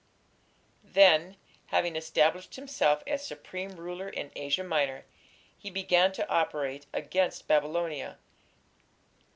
C.). Then, having established himself as supreme ruler in Asia Minor, he began to operate against Babylonia.